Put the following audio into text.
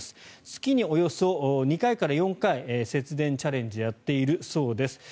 月におよそ２回から４回節電チャレンジをやっているようです。